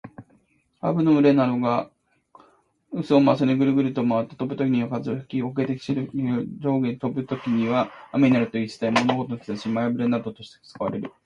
羽蟻の群れなどが石臼を回すようにぐるぐると回って飛ぶときには風が吹き、杵で臼をつくように、上に下にと飛ぶときには雨になるという言い伝え。物事の兆し、前兆などの例えとして使われる。